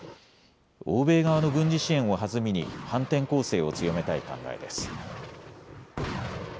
欧米側の軍事支援を弾みに反転攻勢を強めたい考えです。